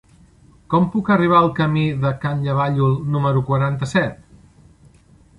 Com puc arribar al camí de Can Llavallol número quaranta-set?